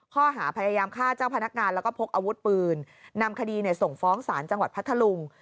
ข้อหาพยายามฆ่าเจ้าพนักงานแล้วก็พกอาวุธปืนนำคดีส่งฟ้องศาลจังหวัดพัทธลุง